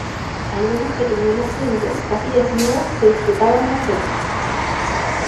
algunos pequeñuelos indios, casi desnudos , se disputaban mecerla.